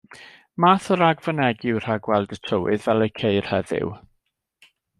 Math o ragfynegi yw rhagweld y tywydd, fel y'i ceir heddiw.